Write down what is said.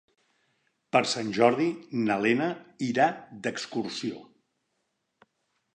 Per Sant Jordi na Lena irà d'excursió.